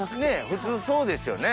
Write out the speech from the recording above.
普通そうですよね。